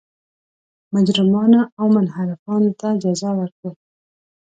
مجرمانو او منحرفانو ته جزا ورکړي.